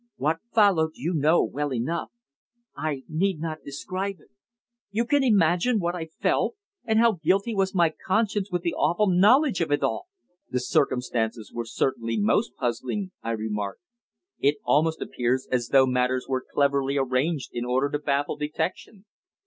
What followed you know well enough. I need not describe it. You can imagine what I felt, and how guilty was my conscience with the awful knowledge of it all." "The circumstances were certainly most puzzling," I remarked. "It almost appears as though matters were cleverly arranged in order to baffle detection."